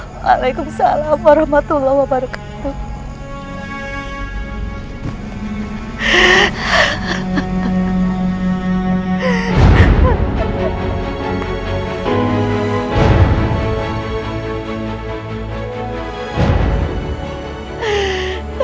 waalaikumsalam warahmatullahi wabarakatuh